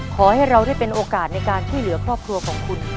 ขอให้เราได้เป็นโอกาสในการช่วยเหลือครอบครัวของคุณ